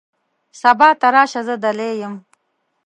سبا ته راشه ، زه دلې یم .